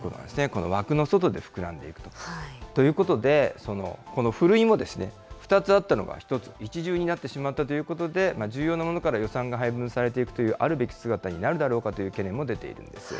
この枠の外で膨らんでいくと。ということで、このふるいも２つあったのが１つ、一重になってしまったということで、重要なものから予算が配分されていくという、あるべき姿になるだろうかという懸念も出ているんです。